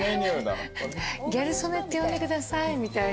ギャル曽根って呼んでくださいみたいな。